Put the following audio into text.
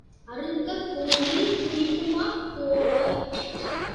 அறுத்த கோழி துடிக்குமாப் போல.